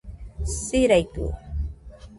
Siraidɨo